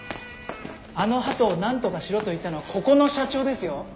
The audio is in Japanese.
あのハトをなんとかしろと言ったのはここの社長ですよ？